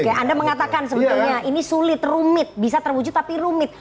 oke anda mengatakan sebetulnya ini sulit rumit bisa terwujud tapi rumit